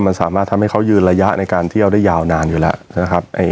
มันสามารถทำให้เขายืนระยะในการเที่ยวได้ยาวนานอยู่แล้วนะครับ